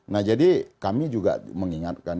nah jadi kami juga mengingatkan